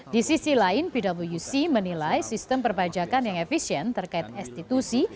di sisi lain pwc menilai sistem perpajakan yang efisien terkait institusi